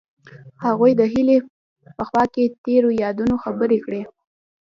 هغوی د هیلې په خوا کې تیرو یادونو خبرې کړې.